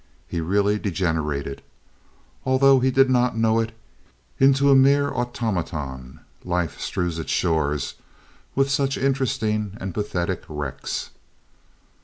He really degenerated, although he did not know it, into a mere automaton. Life strews its shores with such interesting and pathetic wrecks.